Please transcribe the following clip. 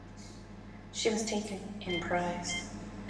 She was taken in prize.